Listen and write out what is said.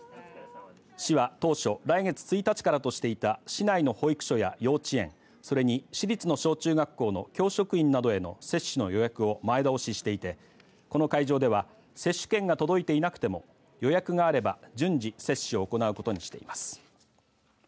市は当初来月１日からとしていた市内の保育所や幼稚園、それに市立の小中学校の教職員などへの接種の予約を前倒ししていてこの会場では接種券が届いていなくても予約があれば順次接種を行うことにしています。